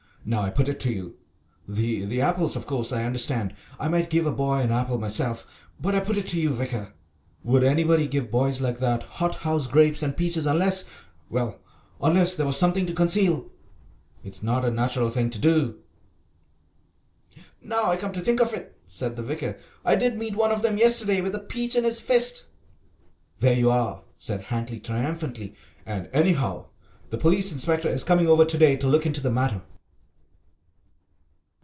Now I put it to you the apples of course I understand. I might give a boy an apple myself, but I put it to you, vicar, would anybody give boys like that hothouse grapes and peaches unless well, unless there was something to conceal. It's not a natural thing to do." "Now I come to think of it," said the vicar, "I did meet one of them yesterday with a peach in his fist." "There you are," said Hankly triumphantly, "and, anyhow, the police inspector is coming over to day to look into the matter."